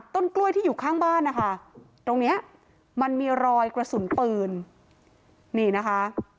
ต้นกล้วยที่อยู่ข้างบ้านนะคะตรงเนี้ยมันมีรอยกระสุนปืนนี่นะคะ